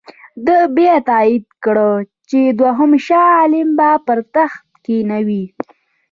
ده بیا تایید کړه چې دوهم شاه عالم به پر تخت کښېنوي.